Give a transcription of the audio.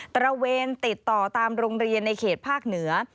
ตระเวนติดต่อตามโรงเรียนในเขตภาคเหนือ